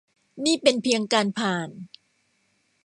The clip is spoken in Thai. นี่เป็นเพียงการผ่าน